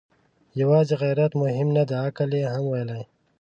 يواځې غيرت مهمه نه ده، عقل يې هم ويلی.